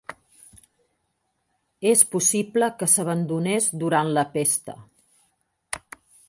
És possible que s'abandonés durant la pesta.